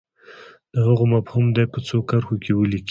د هغو مفهوم دې په څو کرښو کې ولیکي.